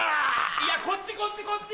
いやこっちこっちこっち！